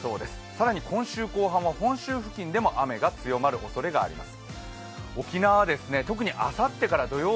更に今週後半は本州付近でも雨が強まることになりそうです。